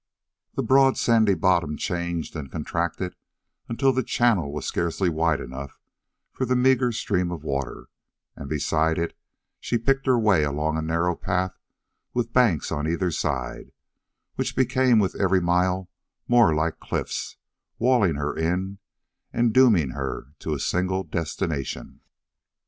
The broad, sandy bottom changed and contracted until the channel was scarcely wide enough for the meager stream of water, and beside it she picked her way along a narrow path with banks on either side, which became with every mile more like cliffs, walling her in and dooming her to a single destination.